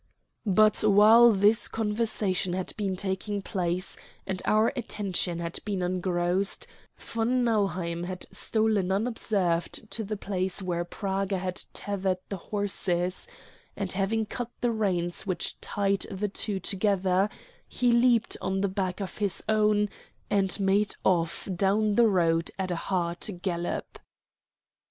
But while this conversation had been taking place, and our attention had been engrossed, von Nauheim had stolen unobserved to the place where Praga had tethered the horses, and, having cut the reins which tied the two together, he leapt on the back of his own and made off down the road at a hard gallop.